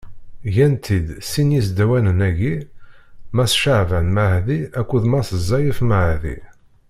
Gan-t-id sin yisdawanen-agi: Mass Caɛban Mahdi akked Mass Zayef Mahdi.